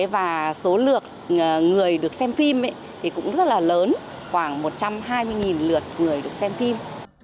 và số lượng người được xem phim thì cũng rất là lớn khoảng một trăm hai mươi lượt người được xem phim